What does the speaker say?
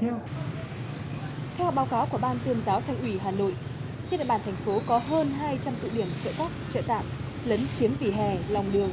theo báo cáo của ban tuyên giáo thành ủy hà nội trên địa bàn thành phố có hơn hai trăm linh tụ điểm trợ tạm lấn chiến vỉa hè lòng đường